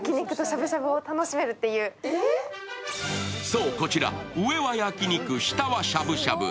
そう、こちら、上は焼き肉、下はしゃぶしゃぶ。